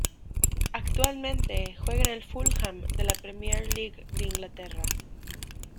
Actualmente juega en el Fulham de la Premier League de Inglaterra.